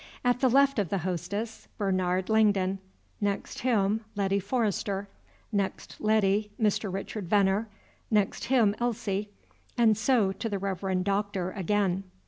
At the left of the Hostess, Bernard Langdon, next him Letty Forrester, next Letty Mr. Richard Veneer, next him Elsie, and so to the Reverend Doctor again.